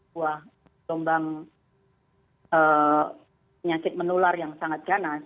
buah gelombang penyakit menular yang sangat ganas